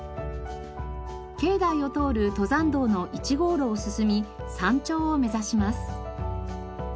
境内を通る登山道の１号路を進み山頂を目指します。